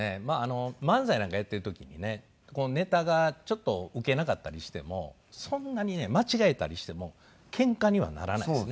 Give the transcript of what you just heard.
漫才なんかやっている時にねネタがちょっとウケなかったりしてもそんなにね間違えたりしてもケンカにはならないですね。